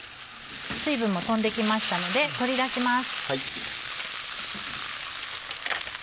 水分も飛んできましたので取り出します。